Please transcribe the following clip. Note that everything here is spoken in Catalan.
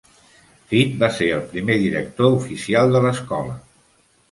Fite va ser el primer director oficial de l'escola.